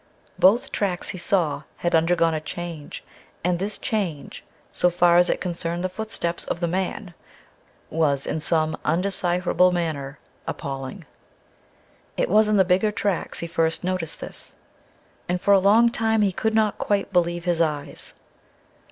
Both tracks, he saw, had undergone a change, and this change, so far as it concerned the footsteps of the man, was in some undecipherable manner appalling. It was in the bigger tracks he first noticed this, and for a long time he could not quite believe his eyes.